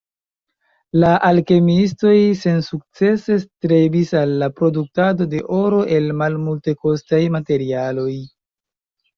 La alkemiistoj sensukcese strebis al la produktado de oro el malmultekostaj materialoj.